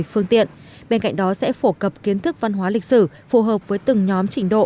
phương tiện bên cạnh đó sẽ phổ cập kiến thức văn hóa lịch sử phù hợp với từng nhóm trình độ